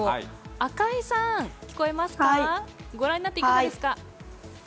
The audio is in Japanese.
赤井さん、御覧になっていかがですか？